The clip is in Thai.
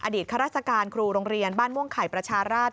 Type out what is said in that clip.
ข้าราชการครูโรงเรียนบ้านม่วงไข่ประชาราช